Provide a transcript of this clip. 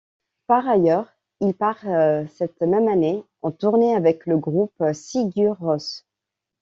Par ailleurs, il part cette même année en tournée avec le groupe Sigur Rós.